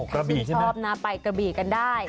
กระบีใช่ไหมปลายกระบีกันได้